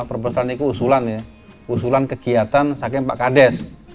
proporsal ini usulan ya usulan kegiatan sake pak kades